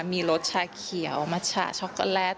มีรสชาเขียวมัชชาช็อกโกแลต